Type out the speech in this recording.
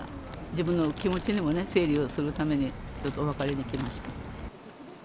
自分の気持ちにも整理をするために、ちょっとお別れに来ました。